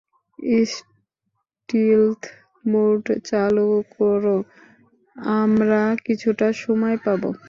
স্টিলথ mode চালু করো, আমরা কিছুটা সময় পাবো।